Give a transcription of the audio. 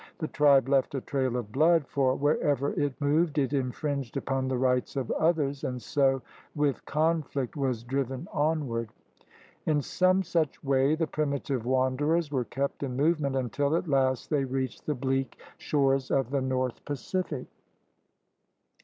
The tribe left a trail of blood, for wher ever it moved it infringed upon the rights of others and so with conflict was driven onward. In some such way the primitive wanderers were kept in movement until at last they reached the bleak THE APPROACHES TO AMERICA 15 shores of the North Pacific.